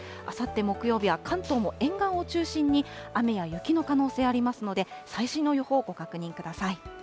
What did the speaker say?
あさって木曜日は、関東も沿岸を中心に雨や雪の可能性ありますので、最新の予報をご確認ください。